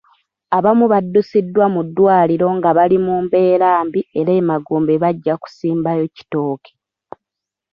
Abamu baddusiddwa mu ddwaliro nga bali mu mbeera mbi era emagombe bajja kusimbayo kitooke.